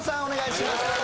お願いします